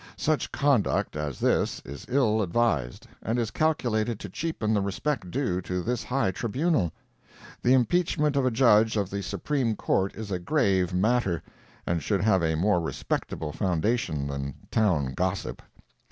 Such conduct as this is ill advised, and is calculated to cheapen the respect due to this high tribunal. The impeachment of a Judge of the Supreme Court is a grave matter, and should have a more respectable foundation than town gossip.